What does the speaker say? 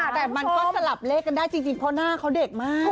แต่มันก็สลับเลขกันได้จริงเพราะหน้าเขาเด็กมาก